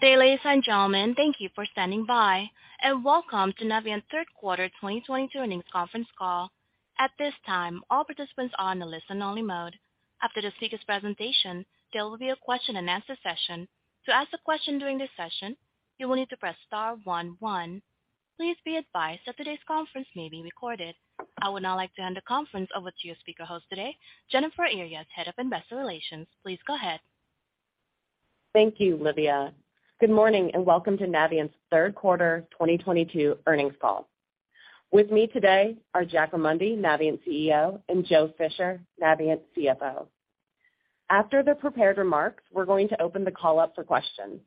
Good day, ladies and gentlemen. Thank you for standing by, and welcome to Navient's third quarter 2022 Earnings Conference Call. At this time, all participants are on a listen only mode. After the speaker's presentation, there will be a question and answer session. To ask a question during this session, you will need to press *11. Please be advised that today's conference may be recorded. I would now like to hand the conference over to your speaker host today, Jennifer Arias, Head of Investor Relations. Please go ahead. Thank you, Livia. Good morning and welcome to Navient's third quarter 2022 earnings call. With me today are Jack Remondi, Navient's CEO, and Joe Fisher, Navient's CFO. After the prepared remarks, we're going to open the call up for questions.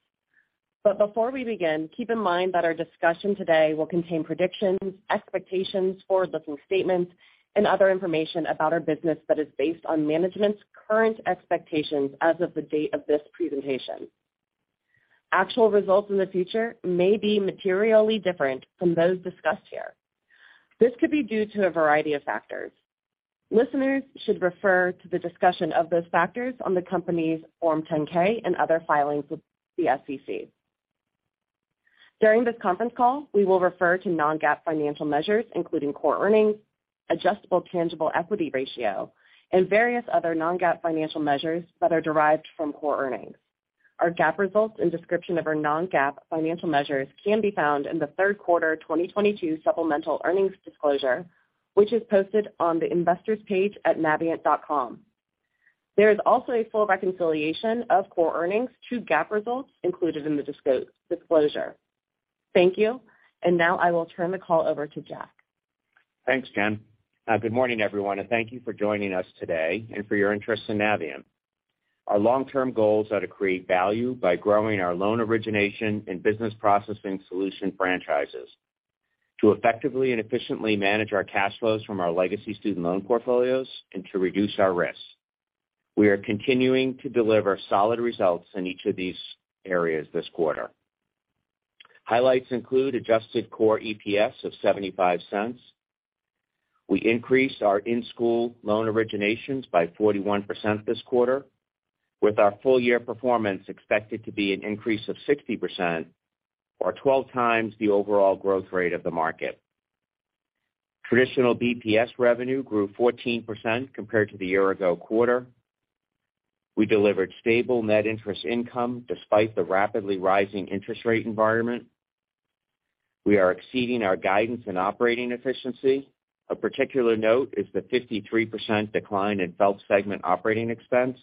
Before we begin, keep in mind that our discussion today will contain predictions, expectations, forward-looking statements, and other information about our business that is based on management's current expectations as of the date of this presentation. Actual results in the future may be materially different from those discussed here. This could be due to a variety of factors. Listeners should refer to the discussion of those factors on the company's Form 10-K and other filings with the SEC. During this conference call, we will refer to non-GAAP financial measures, including core earnings, adjusted tangible equity ratio, and various other non-GAAP financial measures that are derived from core earnings. Our GAAP results and description of our non-GAAP financial measures can be found in the third quarter 2022 supplemental earnings disclosure, which is posted on the investors page at navient.com. There is also a full reconciliation of core earnings to GAAP results included in the disclosure. Thank you. Now I will turn the call over to Jack. Thanks, Jen. Good morning, everyone, and thank you for joining us today and for your interest in Navient. Our long-term goals are to create value by growing our loan origination and business processing solution franchises to effectively and efficiently manage our cash flows from our legacy student loan portfolios and to reduce our risks. We are continuing to deliver solid results in each of these areas this quarter. Highlights include adjusted core EPS of $0.75. We increased our in-school loan originations by 41% this quarter, with our full year performance expected to be an increase of 60% or 12x the overall growth rate of the market. Traditional BPS revenue grew 14% compared to the year ago quarter. We delivered stable net interest income despite the rapidly rising interest rate environment. We are exceeding our guidance and operating efficiency. Of particular note is the 53% decline in FFELP segment operating expense.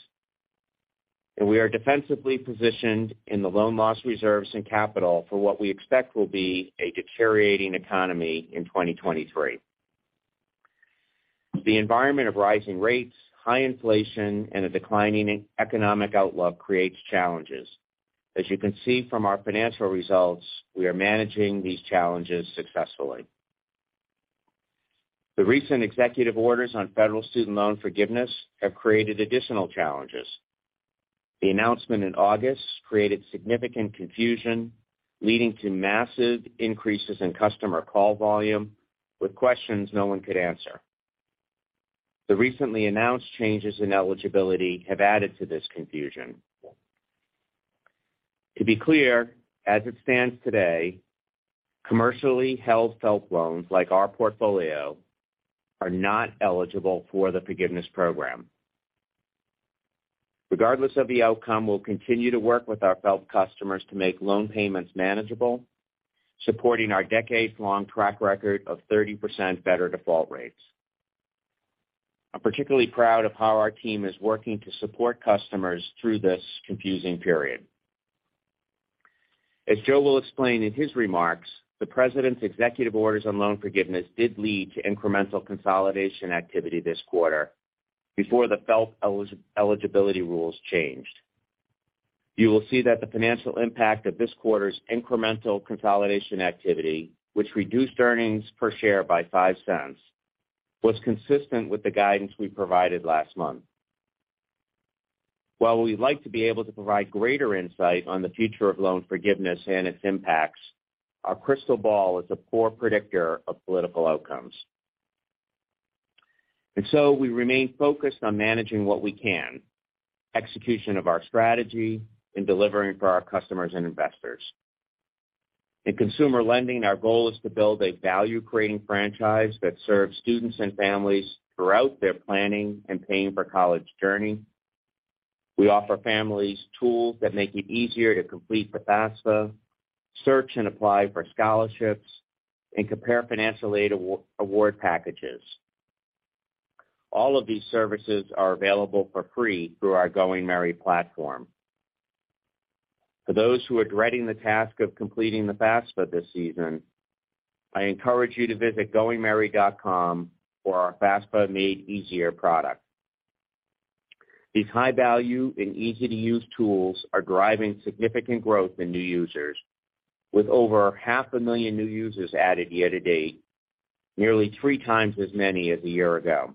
We are defensively positioned in the loan loss reserves and capital for what we expect will be a deteriorating economy in 2023. The environment of rising rates, high inflation, and a declining economic outlook creates challenges. As you can see from our financial results, we are managing these challenges successfully. The recent executive orders on federal student loan forgiveness have created additional challenges. The announcement in August created significant confusion, leading to massive increases in customer call volume with questions no one could answer. The recently announced changes in eligibility have added to this confusion. To be clear, as it stands today, commercially held FFELP loans like our portfolio are not eligible for the forgiveness program. Regardless of the outcome, we'll continue to work with our FFELP customers to make loan payments manageable, supporting our decades-long track record of 30% better default rates. I'm particularly proud of how our team is working to support customers through this confusing period. As Joe will explain in his remarks, the President's executive orders on loan forgiveness did lead to incremental consolidation activity this quarter before the FFELP eligibility rules changed. You will see that the financial impact of this quarter's incremental consolidation activity, which reduced earnings per share by $0.05, was consistent with the guidance we provided last month. While we'd like to be able to provide greater insight on the future of loan forgiveness and its impacts, our crystal ball is a poor predictor of political outcomes. We remain focused on managing what we can, execution of our strategy, and delivering for our customers and investors. In consumer lending, our goal is to build a value-creating franchise that serves students and families throughout their planning and paying for college journey. We offer families tools that make it easier to complete the FAFSA, search and apply for scholarships, and compare financial aid award packages. All of these services are available for free through our Going Merry platform. For those who are dreading the task of completing the FAFSA this season, I encourage you to visit goingmerry.com for our FAFSA Made Easier product. These high-value and easy-to-use tools are driving significant growth in new users with over half a million new users added year to date, nearly three times as many as a year ago.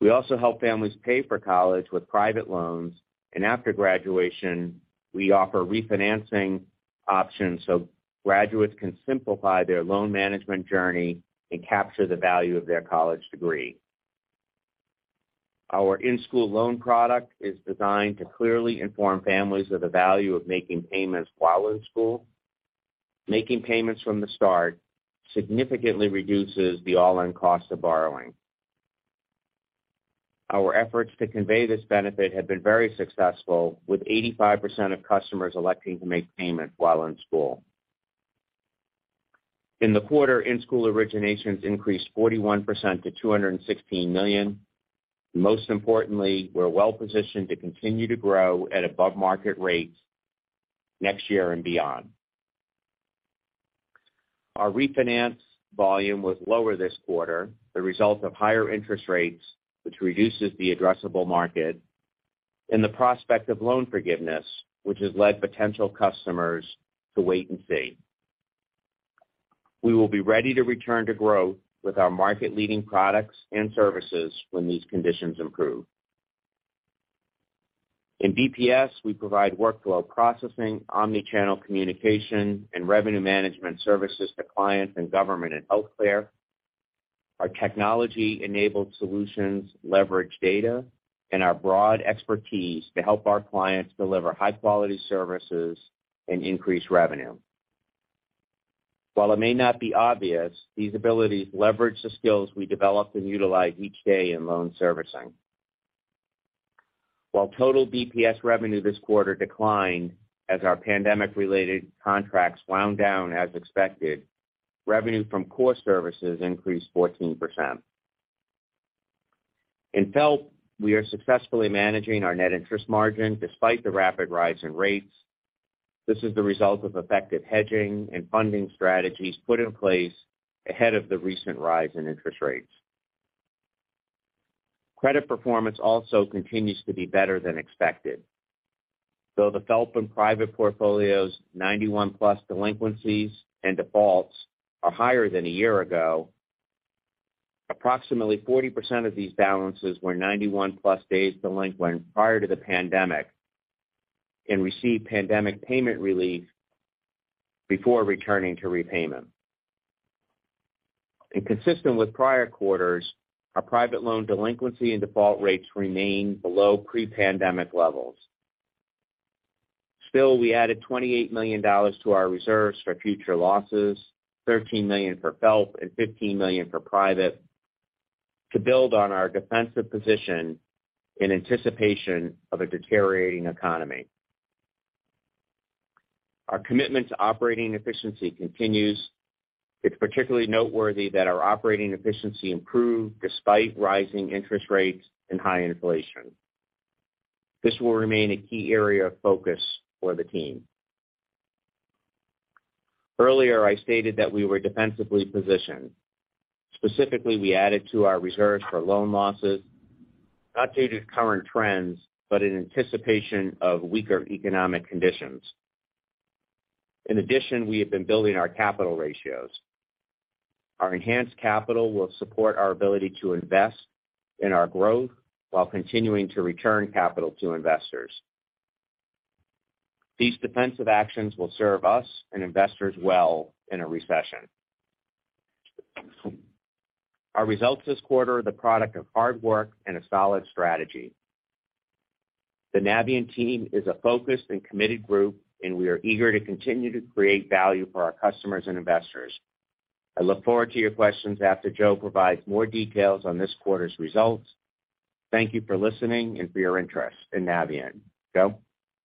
We also help families pay for college with private loans, and after graduation, we offer refinancing options so graduates can simplify their loan management journey and capture the value of their college degree. Our in-school loan product is designed to clearly inform families of the value of making payments while in school. Making payments from the start significantly reduces the all-in cost of borrowing. Our efforts to convey this benefit have been very successful, with 85% of customers electing to make payments while in school. In the quarter, in-school originations increased 41% to $216 million. Most importantly, we're well-positioned to continue to grow at above market rates next year and beyond. Our refinance volume was lower this quarter, the result of higher interest rates, which reduces the addressable market, and the prospect of loan forgiveness, which has led potential customers to wait and see. We will be ready to return to growth with our market-leading products and services when these conditions improve. In BPS, we provide workflow processing, omni-channel communication, and revenue management services to clients in government and healthcare. Our technology-enabled solutions leverage data and our broad expertise to help our clients deliver high-quality services and increase revenue. While it may not be obvious, these abilities leverage the skills we develop and utilize each day in loan servicing. While total BPS revenue this quarter declined as our pandemic-related contracts wound down as expected, revenue from core services increased 14%. In FFELP, we are successfully managing our net interest margin despite the rapid rise in rates. This is the result of effective hedging and funding strategies put in place ahead of the recent rise in interest rates. Credit performance also continues to be better than expected. Though the FFELP and private portfolio's 91+ delinquencies and defaults are higher than a year ago, approximately 40% of these balances were 91+ days delinquent prior to the pandemic and received pandemic payment relief before returning to repayment. Consistent with prior quarters, our private loan delinquency and default rates remain below pre-pandemic levels. Still, we added $28 million to our reserves for future losses, $13 million for FFELP and $15 million for private, to build on our defensive position in anticipation of a deteriorating economy. Our commitment to operating efficiency continues. It's particularly noteworthy that our operating efficiency improved despite rising interest rates and high inflation. This will remain a key area of focus for the team. Earlier, I stated that we were defensively positioned. Specifically, we added to our reserves for loan losses, not due to current trends, but in anticipation of weaker economic conditions. In addition, we have been building our capital ratios. Our enhanced capital will support our ability to invest in our growth while continuing to return capital to investors. These defensive actions will serve us and investors well in a recession. Our results this quarter are the product of hard work and a solid strategy. The Navient team is a focused and committed group, and we are eager to continue to create value for our customers and investors. I look forward to your questions after Joe provides more details on this quarter's results. Thank you for listening and for your interest in Navient. Joe?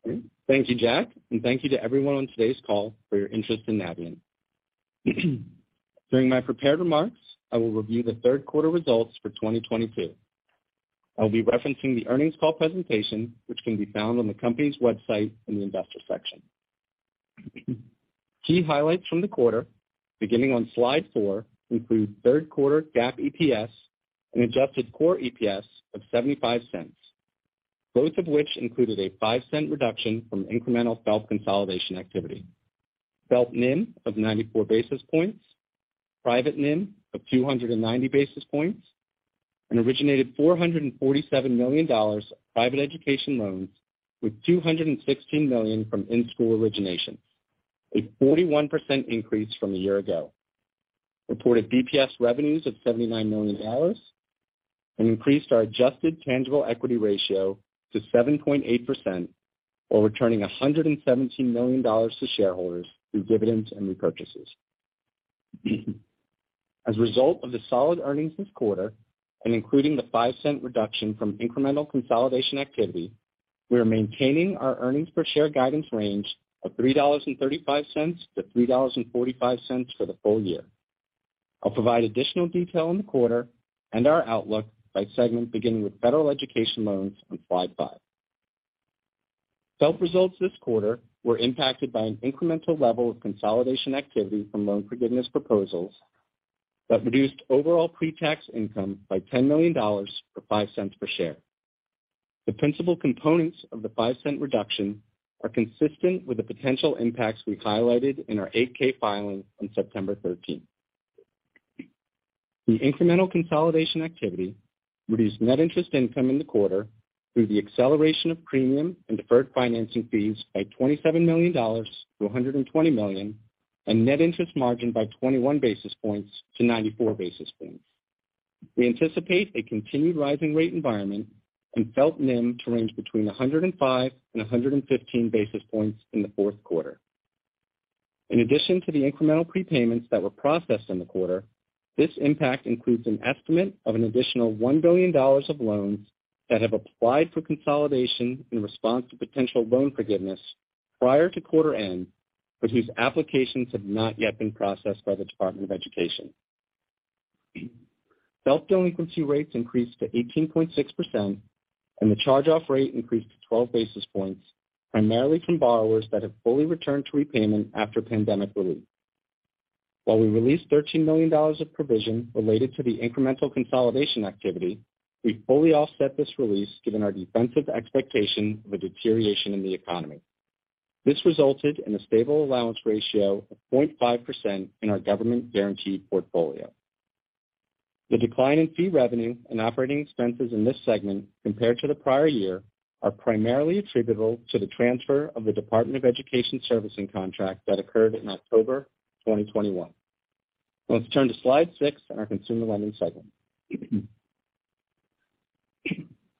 Thank you, Jack, and thank you to everyone on today's call for your interest in Navient. During my prepared remarks, I will review the third quarter results for 2022. I'll be referencing the earnings call presentation, which can be found on the company's website in the investor section. Key highlights from the quarter, beginning on slide 4, include third quarter GAAP EPS and adjusted core EPS of $0.75, both of which included a $0.05 reduction from incremental FFELP consolidation activity. FFELP NIM of 94 basis points, private NIM of 290 basis points, and originated $447 million of private education loans with $216 million from in-school origination, a 41% increase from a year ago. Reported BPS revenues of $79 million, and increased our adjusted tangible equity ratio to 7.8% while returning $117 million to shareholders through dividends and repurchases. As a result of the solid earnings this quarter, and including the $0.05 reduction from incremental consolidation activity, we are maintaining our earnings per share guidance range of $3.35-$3.45 for the full year. I'll provide additional detail on the quarter and our outlook by segment, beginning with federal education loans on slide five. FFELP results this quarter were impacted by an incremental level of consolidation activity from loan forgiveness proposals that reduced overall pre-tax income by $10 million or $0.05 per share. The principal components of the $0.05 reduction are consistent with the potential impacts we highlighted in our 8-K filing on September 13. The incremental consolidation activity reduced net interest income in the quarter through the acceleration of premium and deferred financing fees by $27 million to $120 million. Net interest margin by 21 basis points to 94 basis points. We anticipate a continued rising rate environment and FFELP NIM to range between 105 and 115 basis points in the fourth quarter. In addition to the incremental prepayments that were processed in the quarter, this impact includes an estimate of an additional $1 billion of loans that have applied for consolidation in response to potential loan forgiveness prior to quarter end, but whose applications have not yet been processed by the Department of Education. FFELP delinquency rates increased to 18.6%, and the charge-off rate increased to 12 basis points, primarily from borrowers that have fully returned to repayment after pandemic relief. While we released $13 million of provision related to the incremental consolidation activity, we fully offset this release given our defensive expectation of a deterioration in the economy. This resulted in a stable allowance ratio of 0.5% in our government guarantee portfolio. The decline in fee revenue and operating expenses in this segment compared to the prior year are primarily attributable to the transfer of the Department of Education servicing contract that occurred in October 2021. Let's turn to slide six in our consumer lending segment.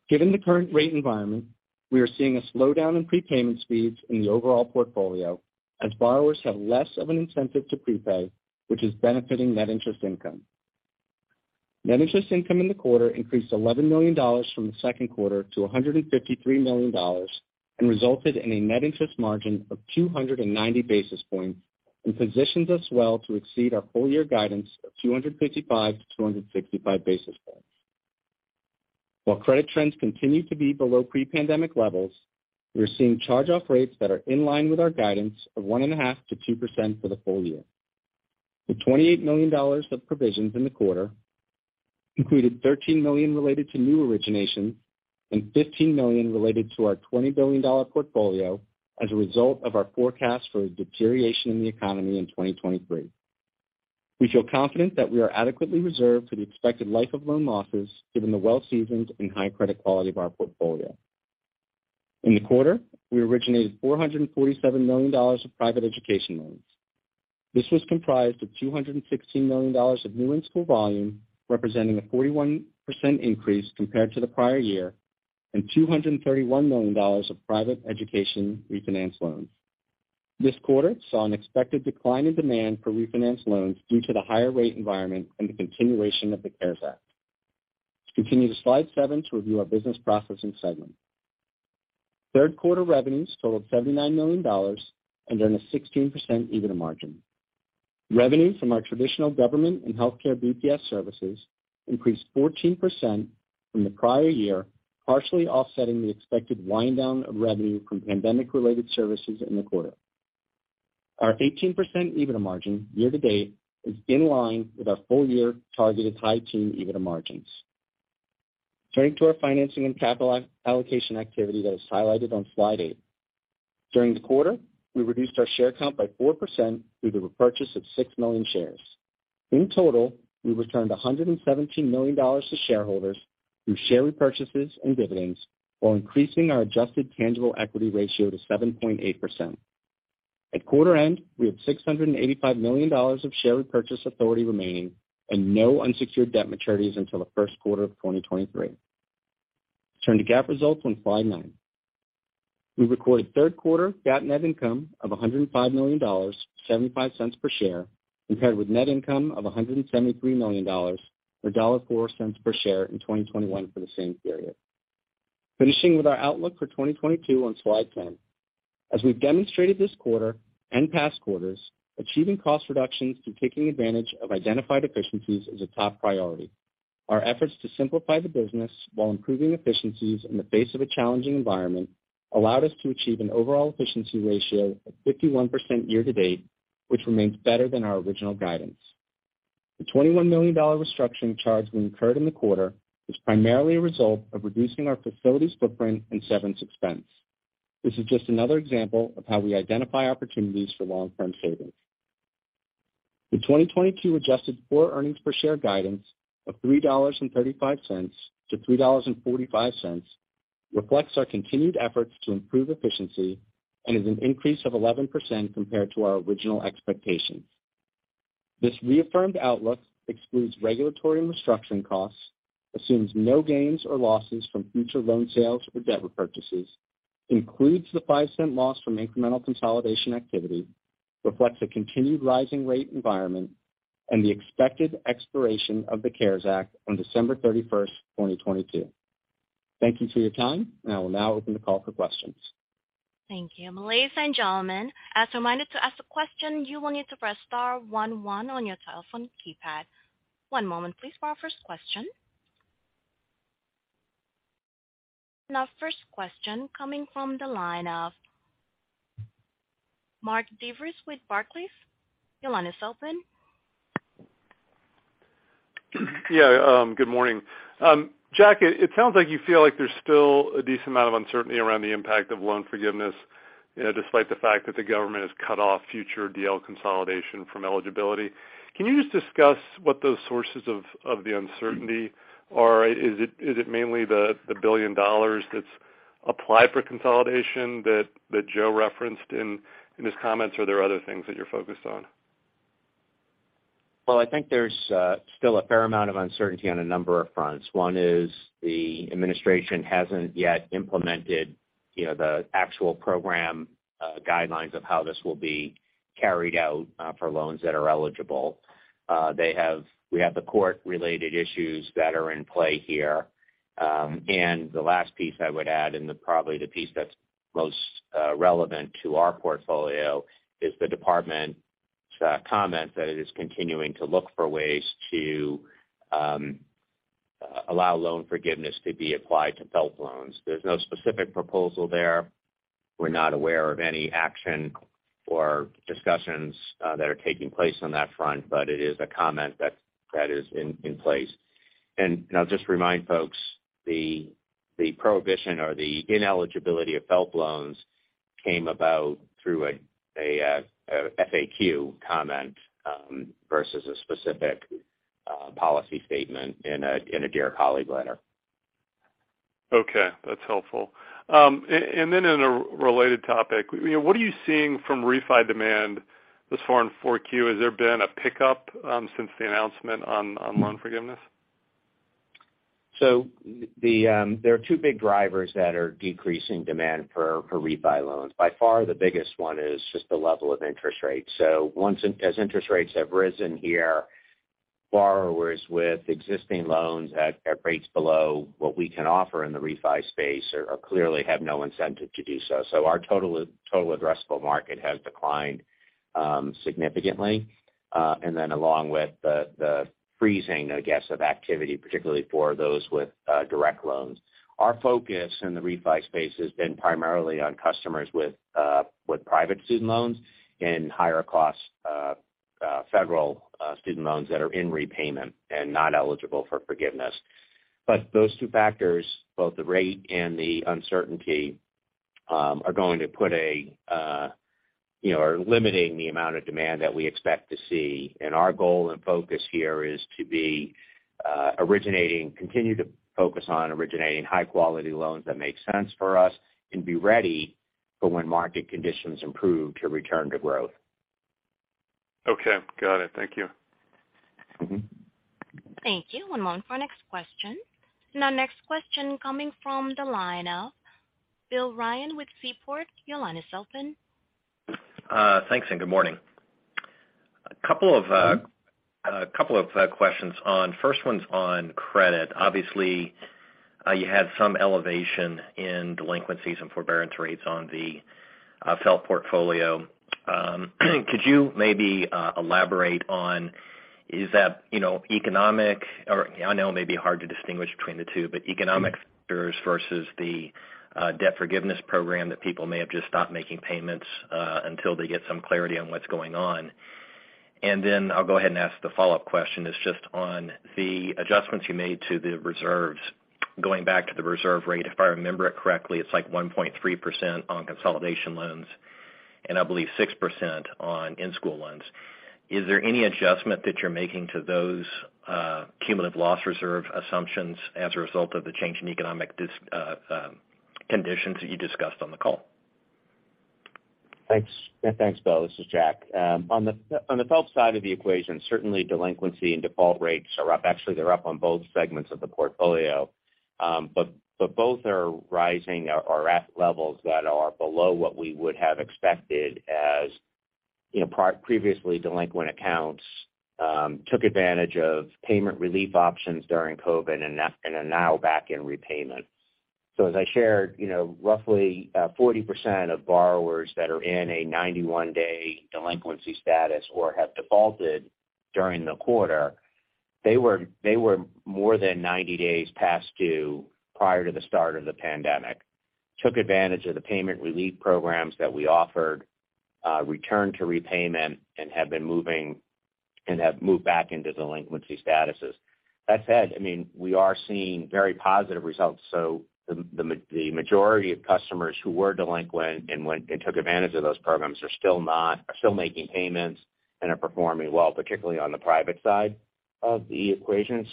Given the current rate environment, we are seeing a slowdown in prepayment speeds in the overall portfolio as borrowers have less of an incentive to prepay, which is benefiting net interest income. Net interest income in the quarter increased $11 million from the second quarter to $153 million and resulted in a net interest margin of 290 basis points and positions us well to exceed our full year guidance of 255-265 basis points. While credit trends continue to be below pre-pandemic levels, we are seeing charge-off rates that are in line with our guidance of 1.5%-2% for the full year. The $28 million of provisions in the quarter included $13 million related to new originations and $15 million related to our $20 billion portfolio as a result of our forecast for a deterioration in the economy in 2023. We feel confident that we are adequately reserved for the expected life of loan losses given the well-seasoned and high credit quality of our portfolio. In the quarter, we originated $447 million of private education loans. This was comprised of $216 million of new in-school volume, representing a 41% increase compared to the prior year, and $231 million of private education refinance loans. This quarter saw an expected decline in demand for refinance loans due to the higher rate environment and the continuation of the CARES Act. Let's continue to slide seven to review our business processing segment. Third quarter revenues totaled $79 million and earned a 16% EBITDA margin. Revenues from our traditional government and healthcare BPS services increased 14% from the prior year, partially offsetting the expected wind down of revenue from pandemic-related services in the quarter. Our 18% EBITDA margin year to date is in line with our full year targeted high teen EBITDA margins. Turning to our financing and capital allocation activity that is highlighted on slide eight. During the quarter, we reduced our share count by 4% through the repurchase of 6 million shares. In total, we returned $117 million to shareholders through share repurchases and dividends while increasing our adjusted tangible equity ratio to 7.8%. At quarter end, we have $685 million of share repurchase authority remaining and no unsecured debt maturities until the first quarter of 2023. Let's turn to GAAP results on slide nine. We recorded third quarter GAAP net income of $105 million, $0.75 per share, compared with net income of $173 million, or $1.04 per share in 2021 for the same period. Finishing with our outlook for 2022 on slide 10. As we've demonstrated this quarter and past quarters, achieving cost reductions through taking advantage of identified efficiencies is a top priority. Our efforts to simplify the business while improving efficiencies in the face of a challenging environment allowed us to achieve an overall efficiency ratio of 51% year to date, which remains better than our original guidance. The $21 million restructuring charge we incurred in the quarter was primarily a result of reducing our facilities footprint and severance expense. This is just another example of how we identify opportunities for long-term savings. The 2022 adjusted core earnings per share guidance of $3.35-$3.45 reflects our continued efforts to improve efficiency and is an increase of 11% compared to our original expectations. This reaffirmed outlook excludes regulatory and restructuring costs, assumes no gains or losses from future loan sales or debt repurchases, includes the $0.05 loss from incremental consolidation activity, reflects a continued rising rate environment, and the expected expiration of the CARES Act on December 31, 2022. Thank you for your time, and I will now open the call for questions. Thank you. Ladies and gentlemen, as a reminder, to ask a question, you will need to press *11 on your telephone keypad. One moment please for our first question. Our first question coming from the line of Mark DeVries with Barclays. Your line is open. Yeah, good morning. Jack, it sounds like you feel like there's still a decent amount of uncertainty around the impact of loan forgiveness, you know, despite the fact that the government has cut off future DL consolidation from eligibility. Can you just discuss what those sources of the uncertainty are? Is it mainly the $1 billion that's applications for consolidation that Joe referenced in his comments, or are there other things that you're focused on? Well, I think there's still a fair amount of uncertainty on a number of fronts. One is the administration hasn't yet implemented, you know, the actual program guidelines of how this will be carried out for loans that are eligible. We have the court related issues that are in play here. The last piece I would add, probably the piece that's most relevant to our portfolio is the department's comment that it is continuing to look for ways to allow loan forgiveness to be applied to FFELP loans. There's no specific proposal there. We're not aware of any action or discussions that are taking place on that front, but it is a comment that is in place. I'll just remind folks, the prohibition or the ineligibility of FFELP loans came about through a FAQ comment versus a specific policy statement in a Dear Colleague Letter. Okay, that's helpful. And then in a related topic, you know, what are you seeing from refi demand thus far in Q4? Has there been a pickup since the announcement on loan forgiveness? There are two big drivers that are decreasing demand for refi loans. By far, the biggest one is just the level of interest rates. As interest rates have risen here, borrowers with existing loans at rates below what we can offer in the refi space clearly have no incentive to do so. Our total addressable market has declined significantly. Along with the freezing, I guess, of activity, particularly for those with direct loans. Our focus in the refi space has been primarily on customers with private student loans and higher cost federal student loans that are in repayment and not eligible for forgiveness. Those two factors, both the rate and the uncertainty, are going to put a, you know, are limiting the amount of demand that we expect to see. Our goal and focus here is to be, continue to focus on originating high quality loans that make sense for us and be ready for when market conditions improve to return to growth. Okay, got it. Thank you. Mm-hmm. Thank you. One moment for our next question. Our next question coming from the line of Bill Ryan with Seaport. Your line is open. Thanks and good morning. A couple of questions on. First one's on credit. Obviously, you had some elevation in delinquencies and forbearance rates on the FFELP portfolio. Could you maybe elaborate on is that, you know, economic or. I know it may be hard to distinguish between the two, but economic factors versus the debt forgiveness program that people may have just stopped making payments until they get some clarity on what's going on. Then I'll go ahead and ask the follow-up question is just on the adjustments you made to the reserves. Going back to the reserve rate, if I remember it correctly, it's like 1.3% on consolidation loans, and I believe 6% on in-school loans. Is there any adjustment that you're making to those cumulative loss reserve assumptions as a result of the change in economic conditions that you discussed on the call? Thanks. Yeah, thanks, Bill. This is Jack. On the FFELP side of the equation, certainly delinquency and default rates are up. Actually, they're up on both segments of the portfolio. But both are rising or at levels that are below what we would have expected as, you know, previously delinquent accounts took advantage of payment relief options during COVID and are now back in repayment. As I shared, you know, roughly 40% of borrowers that are in a 91-day delinquency status or have defaulted during the quarter, they were more than 90 days past due prior to the start of the pandemic, took advantage of the payment relief programs that we offered, returned to repayment and have moved back into delinquency statuses. That said, I mean, we are seeing very positive results. The majority of customers who were delinquent and went and took advantage of those programs are still making payments and are performing well, particularly on the private side of the equation.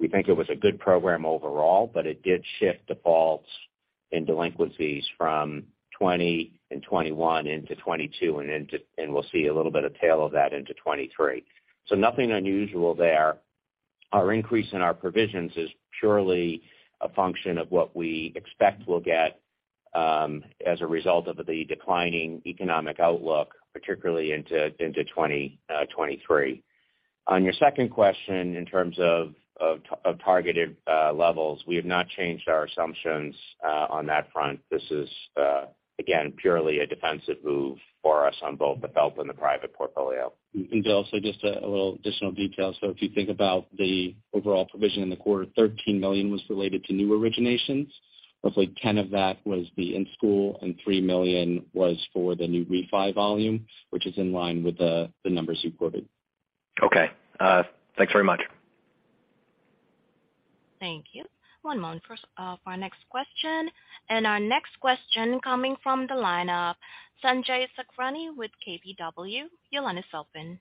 We think it was a good program overall, but it did shift defaults and delinquencies from 2020 and 2021 into 2022 and we'll see a little bit of tail of that into 2023. Nothing unusual there. Our increase in our provisions is purely a function of what we expect we'll get as a result of the declining economic outlook, particularly into 2023. On your second question, in terms of targeted levels, we have not changed our assumptions on that front. This is, again, purely a defensive move for us on both the FFELP and the private portfolio. Bill, just a little additional detail. If you think about the overall provision in the quarter, $13 million was related to new originations. Roughly $10 million of that was the in-school, and $3 million was for the new refi volume, which is in line with the numbers you quoted. Okay. Thanks very much. Thank you. One moment for our next question. Our next question coming from the line of Sanjay Sakhrani with KBW. Your line is open.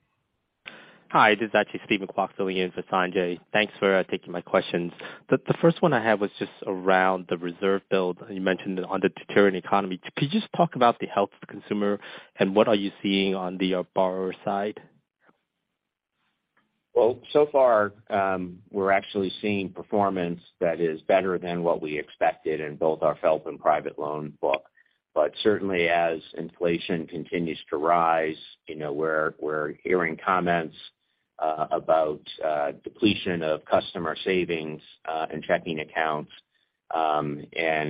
Hi, this is actually Steven Kwok filling in for Sanjay. Thanks for taking my questions. The first one I had was just around the reserve build. You mentioned on the deteriorating economy. Could you just talk about the health of the consumer and what are you seeing on the borrower side? Well, so far, we're actually seeing performance that is better than what we expected in both our FFELP and private loan book. Certainly as inflation continues to rise, you know, we're hearing comments about depletion of customer savings in checking accounts, and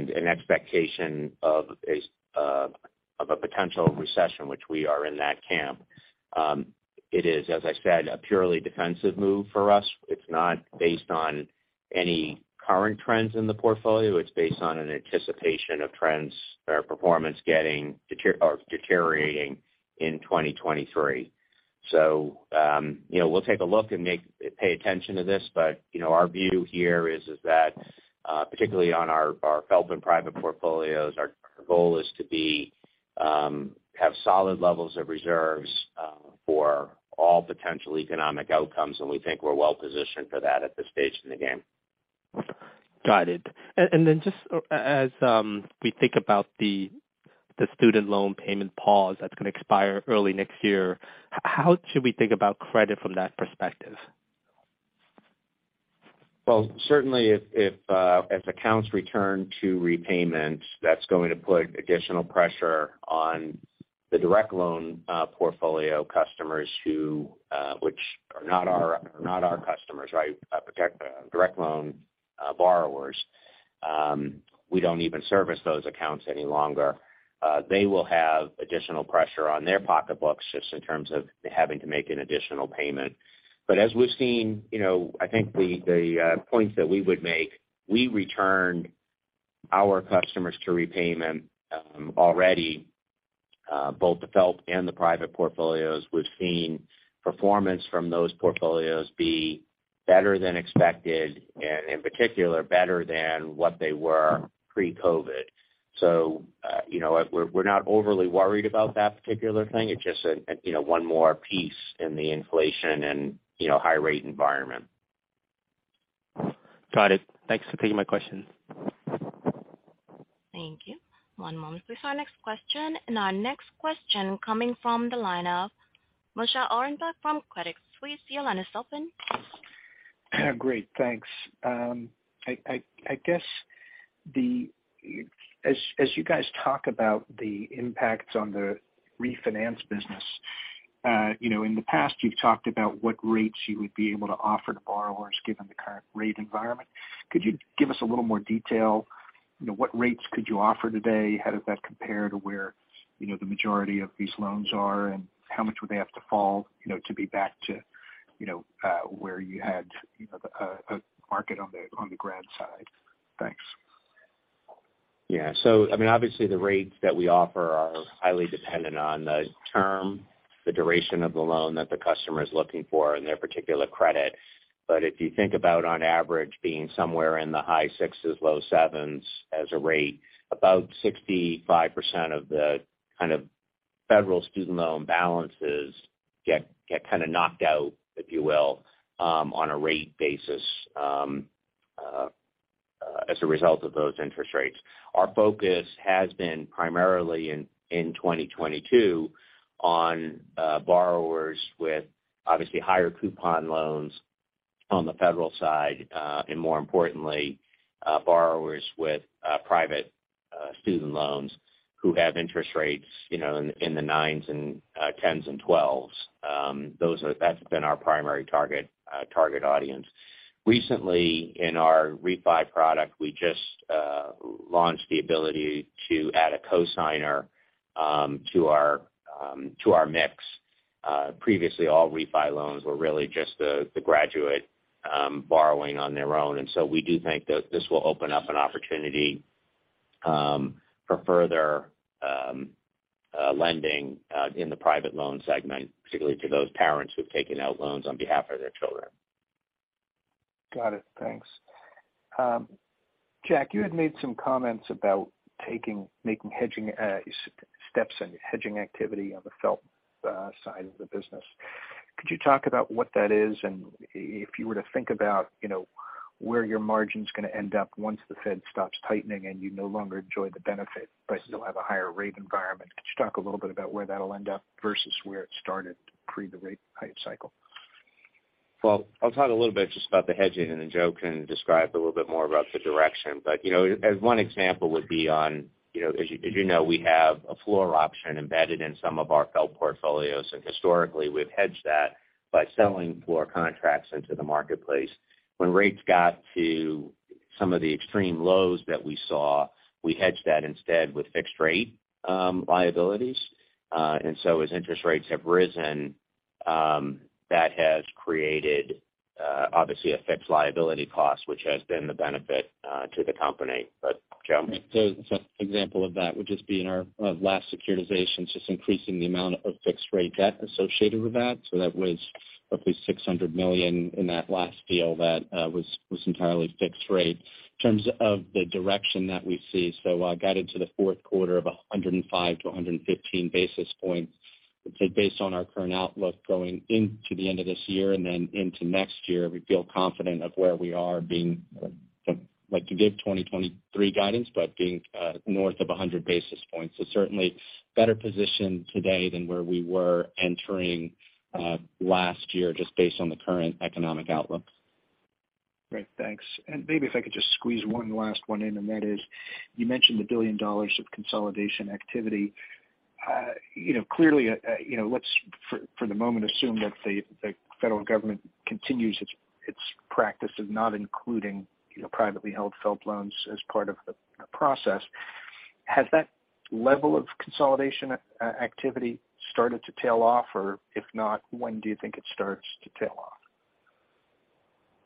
an expectation of a potential recession, which we are in that camp. It is, as I said, a purely defensive move for us. It's not based on any current trends in the portfolio. It's based on an anticipation of trends or performance deteriorating in 2023. You know, we'll take a look and pay attention to this. You know, our view here is that particularly on our FFELP and private portfolios, our goal is to have solid levels of reserves for all potential economic outcomes, and we think we're well-positioned for that at this stage in the game. Got it. Just as we think about the student loan payment pause that's gonna expire early next year, how should we think about credit from that perspective? Well, certainly if as accounts return to repayment, that's going to put additional pressure on the direct loan portfolio customers which are not our customers, right? Protect direct loan borrowers. We don't even service those accounts any longer. They will have additional pressure on their pocketbooks just in terms of having to make an additional payment. As we've seen, you know, I think the points that we would make, we returned our customers to repayment already, both the FFELP and the private portfolios. We've seen performance from those portfolios be better than expected, and in particular, better than what they were pre-COVID. You know, we're not overly worried about that particular thing. It's just an, you know, one more piece in the inflation and high rate environment. Got it. Thanks for taking my questions. Thank you. One moment please for our next question. Our next question coming from the line of Moshe Orenbuch from Credit Suisse. Your line is open. Great, thanks. I guess as you guys talk about the impacts on the refinance business, you know, in the past you've talked about what rates you would be able to offer to borrowers given the current rate environment. Could you give us a little more detail? You know, what rates could you offer today? How does that compare to where, you know, the majority of these loans are, and how much would they have to fall, you know, to be back to, you know, where you had, you know, a market on the grad side? Thanks. Yeah. I mean, obviously the rates that we offer are highly dependent on the term, the duration of the loan that the customer is looking for and their particular credit. If you think about on average being somewhere in the high 6s, low 7s as a rate, about 65% of the kind of federal student loan balances get kind of knocked out, if you will, on a rate basis, as a result of those interest rates. Our focus has been primarily in 2022 on borrowers with obviously higher coupon loans on the federal side, and more importantly, borrowers with private student loans who have interest rates, you know, in the 9s and 10s and 12s. That's been our primary target audience. Recently, in our refi product, we just launched the ability to add a cosigner to our mix. Previously, all refi loans were really just the graduate borrowing on their own. We do think that this will open up an opportunity for further lending in the private loan segment, particularly to those parents who've taken out loans on behalf of their children. Got it. Thanks. Jack, you had made some comments about making hedging steps in hedging activity on the FFELP side of the business. Could you talk about what that is? If you were to think about, you know, where your margin's gonna end up once the Fed stops tightening and you no longer enjoy the benefit, but you still have a higher rate environment, could you talk a little bit about where that'll end up versus where it started pre the rate hike cycle? Well, I'll talk a little bit just about the hedging, and then Joe can describe a little bit more about the direction. You know, as one example would be on, you know, as you know, we have a floor option embedded in some of our FFELP portfolios. Historically, we've hedged that by selling floor contracts into the marketplace. When rates got to some of the extreme lows that we saw, we hedged that instead with fixed rate liabilities. As interest rates have risen, that has created obviously a fixed liability cost, which has been the benefit to the company. Joe? Example of that would just be in our last securitization, just increasing the amount of fixed rate debt associated with that. That was roughly $600 million in that last deal that was entirely fixed rate. In terms of the direction that we see, guided to the fourth quarter of 105-115 basis points. Based on our current outlook going into the end of this year and then into next year, we feel confident of where we are being like to give 2023 guidance, but being north of 100 basis points. Certainly better positioned today than where we were entering last year just based on the current economic outlook. Great. Thanks. Maybe if I could just squeeze one last one in, and that is, you mentioned the $1 billion of consolidation activity. You know, clearly, you know, let's for the moment assume that the federal government continues its practice of not including, you know, privately held FFELP loans as part of the process. Has that level of consolidation activity started to tail off, or if not, when do you think it starts to tail off?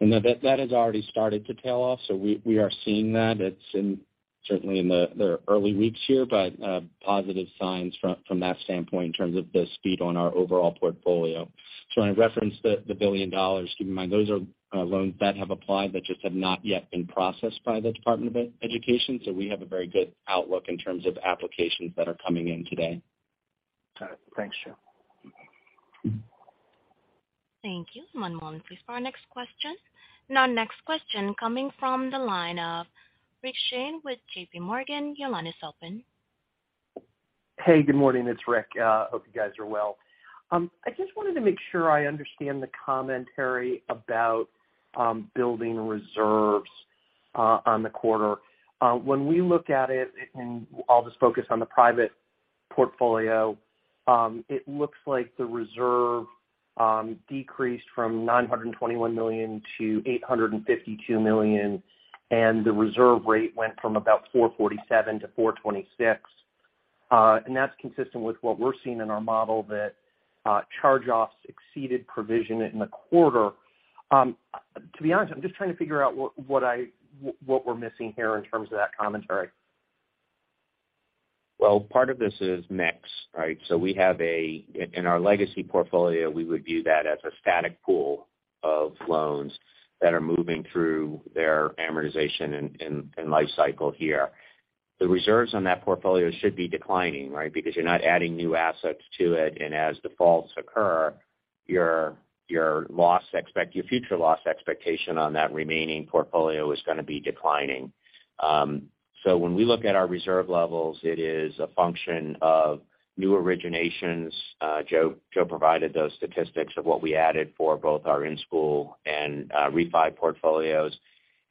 No, that has already started to tail off. We are seeing that. It's certainly in the early weeks here, but positive signs from that standpoint in terms of the speed on our overall portfolio. When I referenced the $1 billion, keep in mind those are loans that have applied but just have not yet been processed by the Department of Education. We have a very good outlook in terms of applications that are coming in today. Got it. Thanks, Joe. Thank you. One moment, please, for our next question. Our next question coming from the line of Rick Shane with JPMorgan. Your line is open. Hey, good morning. It's Rick Shane. Hope you guys are well. I just wanted to make sure I understand the commentary about building reserves on the quarter. When we look at it, I'll just focus on the private portfolio. It looks like the reserve decreased from $921 million to $852 million, and the reserve rate went from about 447 to 426. That's consistent with what we're seeing in our model that charge-offs exceeded provision in the quarter. To be honest, I'm just trying to figure out what we're missing here in terms of that commentary. Well, part of this is mix, right? In our legacy portfolio, we would view that as a static pool of loans that are moving through their amortization and life cycle here. The reserves on that portfolio should be declining, right? Because you're not adding new assets to it, and as defaults occur, your future loss expectation on that remaining portfolio is gonna be declining. When we look at our reserve levels, it is a function of new originations. Joe provided those statistics of what we added for both our in-school and refi portfolios.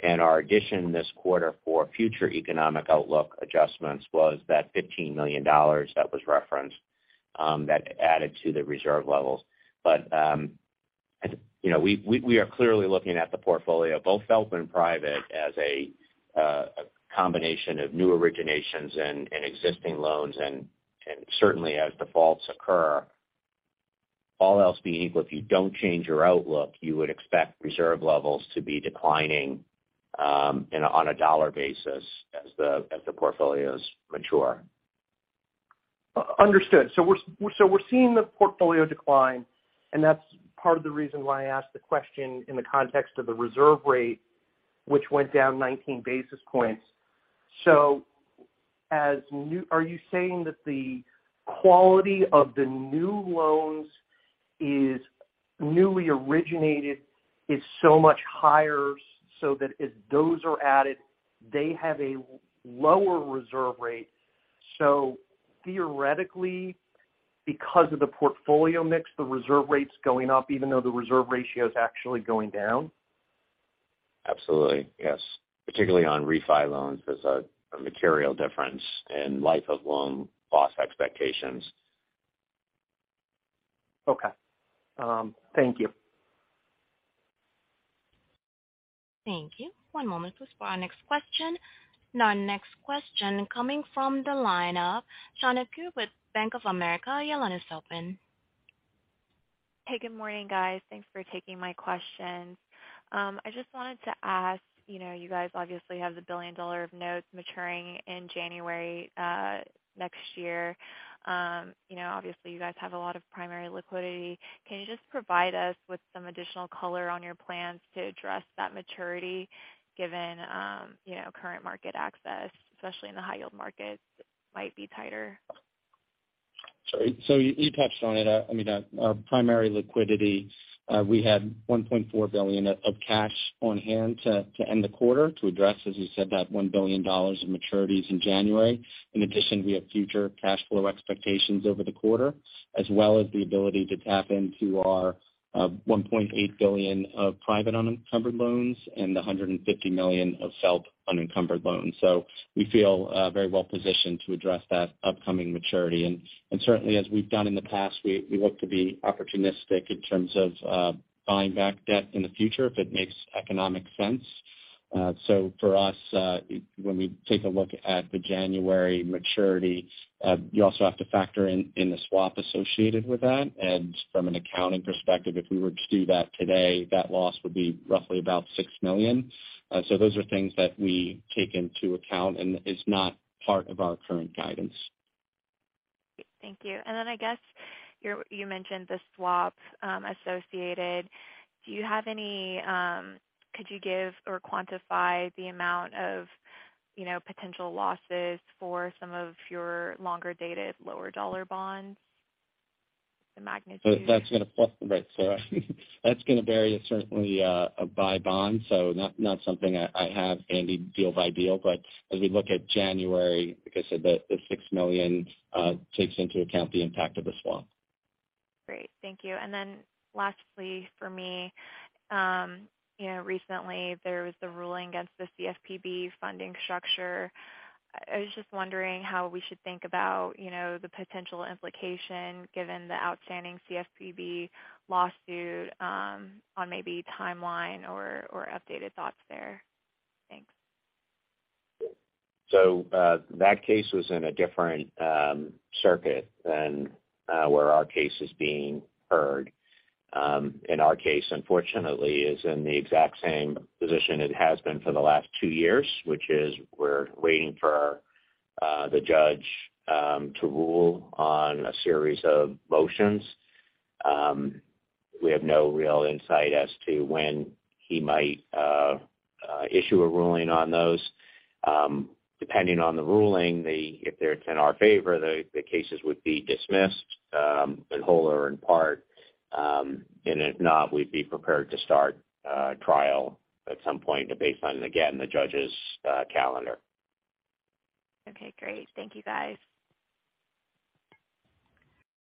Our addition this quarter for future economic outlook adjustments was that $15 million that was referenced, that added to the reserve levels. You know, we are clearly looking at the portfolio, both FFELP and private, as a combination of new originations and existing loans. Certainly as defaults occur, all else being equal, if you don't change your outlook, you would expect reserve levels to be declining on a dollar basis as the portfolios mature. Understood. We're seeing the portfolio decline, and that's part of the reason why I asked the question in the context of the reserve rate, which went down 19 basis points. Are you saying that the quality of the new loans is newly originated so much higher so that as those are added, they have a lower reserve rate? Theoretically, because of the portfolio mix, the reserve rate's going up even though the reserve ratio is actually going down? Absolutely. Yes. Particularly on refi loans, there's a material difference in life of loan loss expectations. Okay. Thank you. Thank you. One moment, please, for our next question. Our next question coming from the line of Sanjay Sakhrani with Bank of America. Your line is open. Hey, good morning, guys. Thanks for taking my questions. I just wanted to ask, you know, you guys obviously have $1 billion of notes maturing in January next year. You know, obviously, you guys have a lot of primary liquidity. Can you just provide us with some additional color on your plans to address that maturity given, you know, current market access, especially in the high yield markets might be tighter? You touched on it. I mean, our primary liquidity, we had $1.4 billion of cash on hand to end the quarter to address, as you said, that $1 billion in maturities in January. In addition, we have future cash flow expectations over the quarter, as well as the ability to tap into our $1.8 billion of private unencumbered loans and the $150 million of FFELP unencumbered loans. We feel very well positioned to address that upcoming maturity. Certainly as we've done in the past, we look to be opportunistic in terms of buying back debt in the future if it makes economic sense. For us, when we take a look at the January maturity, you also have to factor in the swap associated with that. From an accounting perspective, if we were to do that today, that loss would be roughly about $6 million. Those are things that we take into account and is not part of our current guidance. Great. Thank you. I guess you mentioned the swap associated. Could you give or quantify the amount o You know, potential losses for some of your longer-dated lower dollar bonds, the magnitude. Right. That's gonna vary certainly by bond, so not something I have handy deal by deal. As we look at January, like I said, the $6 million takes into account the impact of the swap. Great. Thank you. Lastly for me, you know, recently there was the ruling against the CFPB funding structure. I was just wondering how we should think about, you know, the potential implication given the outstanding CFPB lawsuit, on maybe timeline or updated thoughts there. Thanks. That case was in a different circuit than where our case is being heard. Our case, unfortunately, is in the exact same position it has been for the last two years, which is we're waiting for the judge to rule on a series of motions. We have no real insight as to when he might issue a ruling on those. Depending on the ruling, if it's in our favor, the cases would be dismissed in whole or in part. If not, we'd be prepared to start trial at some point based on, again, the judge's calendar. Okay, great. Thank you, guys.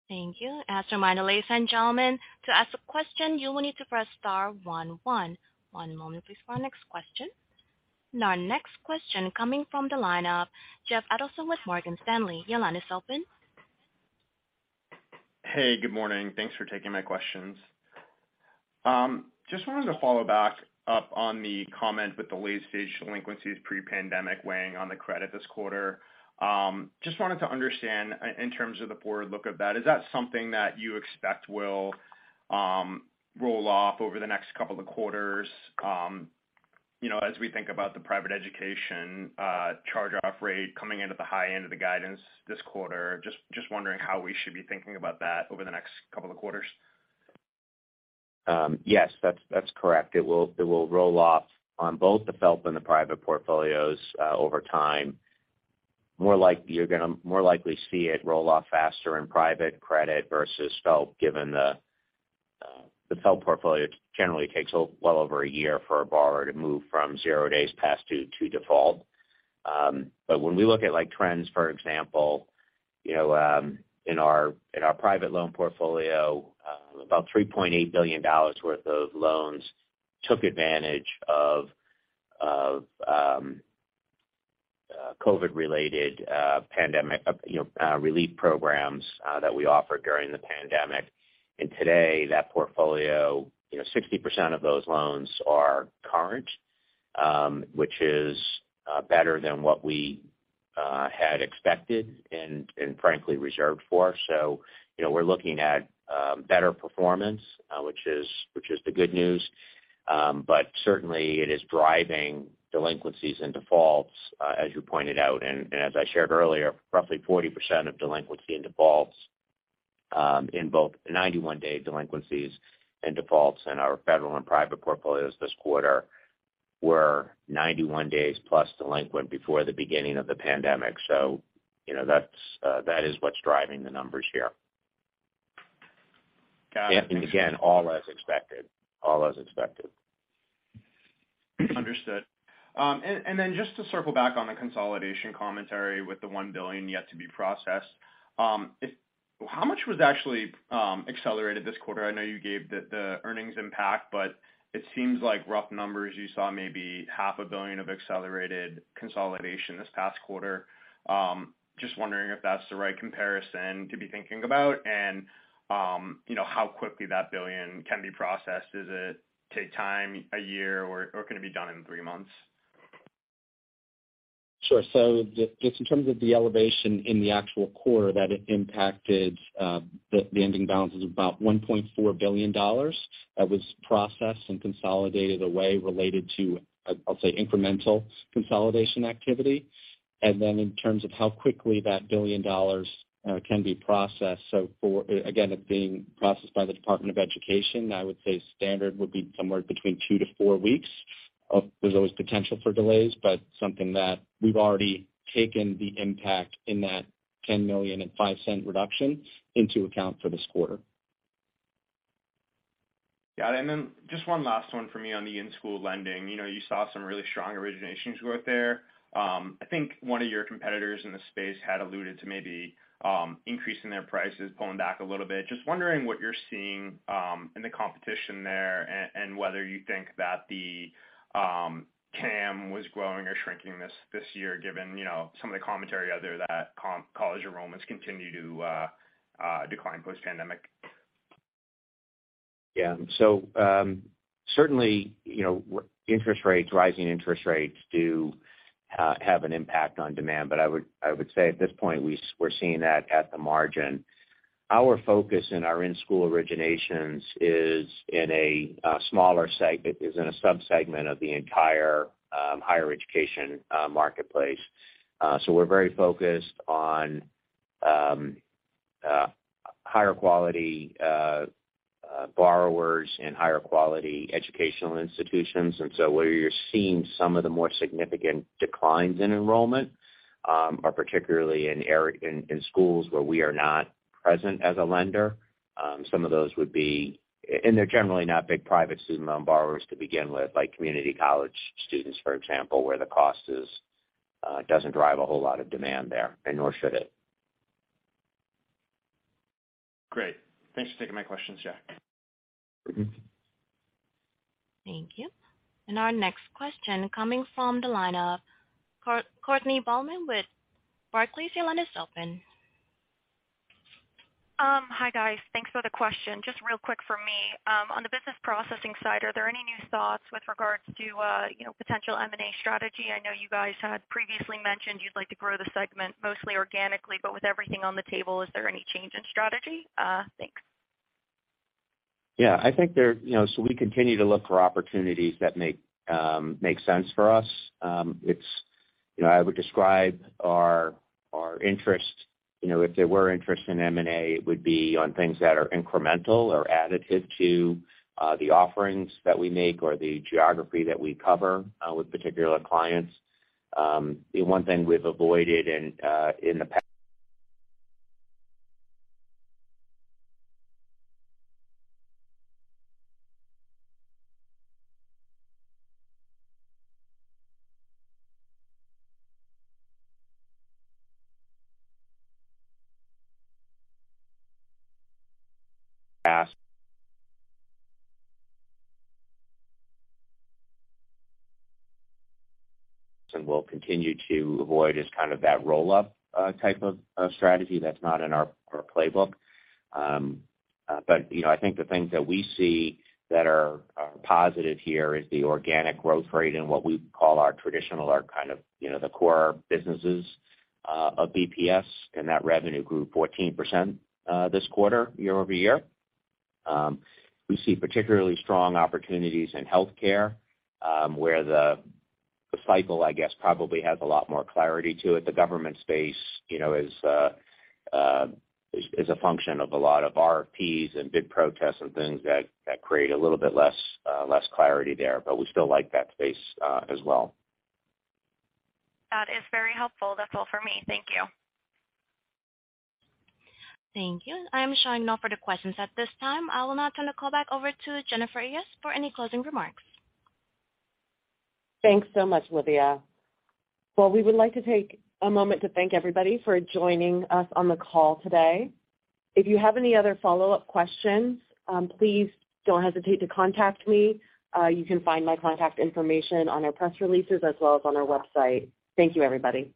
Thank you. As a reminder, ladies and gentlemen, to ask a question, you will need to press star one one. One moment please for our next question. Our next question coming from the line of Jeffrey Adelson with Morgan Stanley. Your line is open. Hey, good morning. Thanks for taking my questions. Just wanted to follow back up on the comment with the late-stage delinquencies pre-pandemic weighing on the credit this quarter. Just wanted to understand in terms of the forward look of that, is that something that you expect will roll off over the next couple of quarters? You know, as we think about the private education charge-off rate coming in at the high end of the guidance this quarter, just wondering how we should be thinking about that over the next couple of quarters. Yes. That's correct. It will roll off on both the FFELP and the private portfolios over time. More like you're gonna more likely see it roll off faster in private credit versus FFELP, given the FFELP portfolio generally takes well over a year for a borrower to move from zero days past due to default. But when we look at, like, trends, for example, you know, in our private loan portfolio, about $3.8 billion worth of loans took advantage of COVID-related pandemic, you know, relief programs that we offered during the pandemic. Today, that portfolio, you know, 60% of those loans are current, which is better than what we had expected and frankly reserved for. You know, we're looking at better performance, which is the good news. But certainly it is driving delinquencies and defaults, as you pointed out. And as I shared earlier, roughly 40% of delinquency and defaults in both 91-day delinquencies and defaults in our federal and private portfolios this quarter were 91 days plus delinquent before the beginning of the pandemic. You know, that's, that is what's driving the numbers here. Got it. Again, all as expected. Understood. Then just to circle back on the consolidation commentary with the $1 billion yet to be processed, How much was actually accelerated this quarter? I know you gave the earnings impact, but it seems like rough numbers, you saw maybe half a billion of accelerated consolidation this past quarter. Just wondering if that's the right comparison to be thinking about. You know, how quickly that $1 billion can be processed. Does it take time, a year or can it be done in three months? Sure. Just in terms of the elevation in the actual quarter that it impacted, the ending balance is about $1.4 billion that was processed and consolidated away related to, I'll say, incremental consolidation activity. Then in terms of how quickly that $1 billion can be processed, for again, it being processed by the Department of Education, I would say standard would be somewhere between two-four weeks. There's always potential for delays, but something that we've already taken the impact in that $10 million and 5 cents reduction into account for this quarter. Got it. Just one last one for me on the in-school lending. You know, you saw some really strong originations growth there. I think one of your competitors in the space had alluded to maybe increasing their prices, pulling back a little bit. Just wondering what you're seeing in the competition there and whether you think that the TAM was growing or shrinking this year, given, you know, some of the commentary out there that college enrollments continue to decline post-pandemic. Yeah. Certainly, you know, interest rates, rising interest rates do have an impact on demand. I would say at this point we're seeing that at the margin. Our focus in our in-school originations is in a smaller subsegment of the entire higher education marketplace. We're very focused on higher quality borrowers and higher quality educational institutions. Where you're seeing some of the more significant declines in enrollment are particularly in schools where we are not present as a lender. Some of those, and they're generally not big private student loan borrowers to begin with, like community college students, for example, where the cost doesn't drive a whole lot of demand there, and nor should it. Great. Thanks for taking my questions, Jack. Mm-hmm. Thank you. Our next question coming from the line of Mark DeVries with Barclays. Your line is open. Hi, guys. Thanks for the question. Just real quick for me. On the business processing side, are there any new thoughts with regards to, you know, potential M&A strategy? I know you guys had previously mentioned you'd like to grow the segment mostly organically, but with everything on the table, is there any change in strategy? Thanks. Yeah, I think, you know, we continue to look for opportunities that make sense for us. You know, I would describe our interest. You know, if there were interest in M&A, it would be on things that are incremental or additive to the offerings that we make or the geography that we cover with particular clients. The one thing we've avoided. We'll continue to avoid is kind of that roll-up type of strategy. That's not in our playbook. But, you know, I think the things that we see that are positive here is the organic growth rate in what we call our traditional or kind of, you know, the core businesses of BPS. That revenue grew 14% this quarter year-over-year. We see particularly strong opportunities in healthcare, where the cycle, I guess, probably has a lot more clarity to it. The government space, you know, is a function of a lot of RFPs and bid protests and things that create a little bit less clarity there, but we still like that space as well. That is very helpful. That's all for me. Thank you. Thank you. I'm showing no further questions at this time. I will now turn the call back over to Jennifer Arias for any closing remarks. Thanks so much, Livia. Well, we would like to take a moment to thank everybody for joining us on the call today. If you have any other follow-up questions, please don't hesitate to contact me. You can find my contact information on our press releases as well as on our website. Thank you, everybody.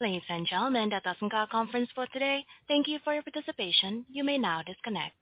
Ladies and gentlemen, that does end our conference for today. Thank you for your participation. You may now disconnect.